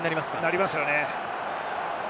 なりますね。